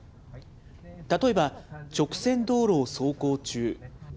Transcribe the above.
例えば、直線道路を走行中。